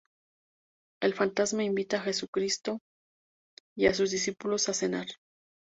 El fantasma invita a Jesucristo y a sus discípulos a cenar.